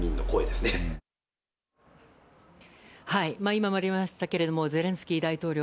今もありましたけれどもゼレンスキー大統領